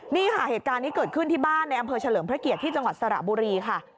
นี่ค่ะเหตุการณ์นี้เกิดขึ้นที่บ้านในอำเภอเฉลิมพระเกียรติที่จังหวัดสระบุรีค่ะ